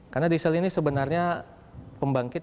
karena diesel ini sebenarnya pembangkit